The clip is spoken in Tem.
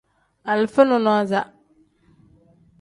Alifa nonaza.